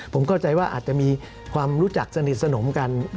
ผมเข้าใจว่าอาจจะมีความรู้จักสนิทสนมกัน